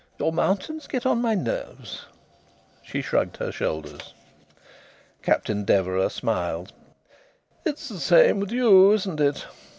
Your mountains get on my nerves." She shrugged her shoulders. Captain Deverax smiled. "It is the same with you, isn't it?"